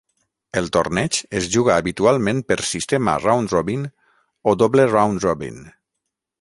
El torneig es juga habitualment per sistema round-robin o doble round-robin.